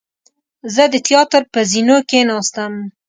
زه د تیاتر پر زینو کېناستم.